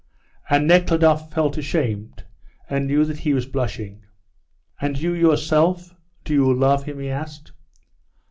And Nekhludoff felt ashamed and knew that he was blushing. "And you yourself, do you love him?" he asked.